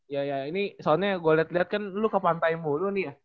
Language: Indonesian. ya ya ini soalnya gue liat liat kan lu ke pantai mulu nih ya